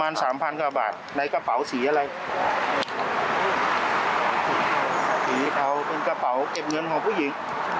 สีขาวเป็นกระเป๋าเก็บเงินของผู้หญิง